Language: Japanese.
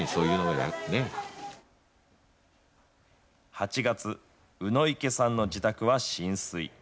８月、鵜池さんの自宅は浸水。